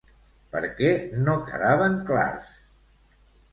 Per què no quedaven clars?